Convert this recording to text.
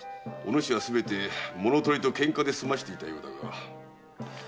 お主はすべて物盗りと喧嘩で済ませていたようだが。